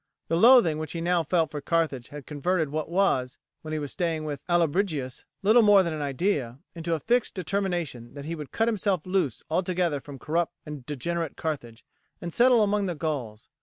The loathing which he now felt for Carthage had converted what was, when he was staying with Allobrigius, little more than an idea, into a fixed determination that he would cut himself loose altogether from corrupt and degenerate Carthage, and settle among the Gauls.